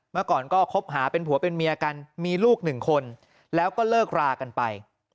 เมื่อก่อนก็คบหาเป็นผัวเป็นเมียกันมีลูกหนึ่งคนแล้วก็เลิกรากันไป